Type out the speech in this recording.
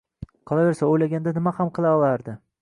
Qolaversa, o'ylaganida nima ham qila olardi?